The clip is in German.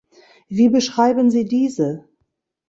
Wie beschreiben Sie diese?